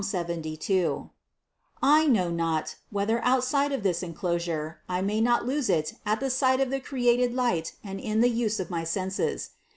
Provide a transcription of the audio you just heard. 72), I know not, whether outside of this enclosure I may not lose it at the sight of the created light and in the use of my senses.